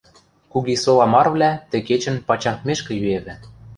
Кугисола марывлӓ тӹ кечӹн пачангмешкӹ йӱэвы.